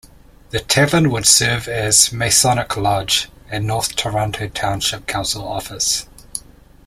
The tavern would serve as Masonic Lodge and North Toronto township council office.